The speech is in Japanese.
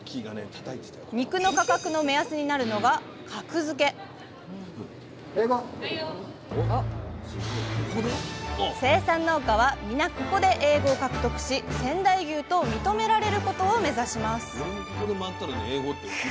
肉の価格の目安になるのが生産農家は皆ここでＡ５を獲得し仙台牛と認められることを目指します